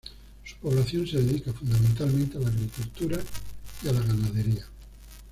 Su población se dedica fundamentalmente a la agricultura y a la ganadería.